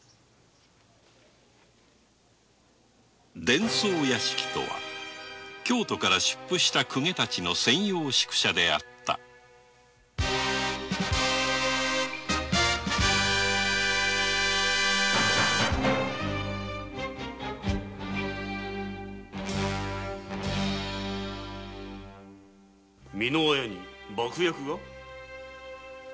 「伝奏屋敷」とは京から出府した公卿たちの専用宿舎だった三輪屋に爆薬が！？